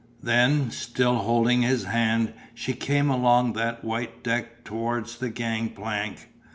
Then, still holding his hand, she came along that white deck towards the gang plank.